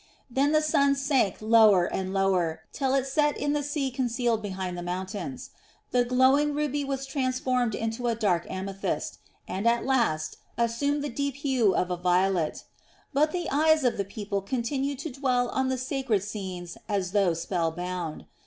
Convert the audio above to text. Then the sun sank lower and lower, till it set in the sea concealed behind the mountains. The glowing ruby was transformed into a dark amethyst, and at last assumed the deep hue of a violet; but the eyes of the people continued to dwell on the sacred scenes as though spell bound.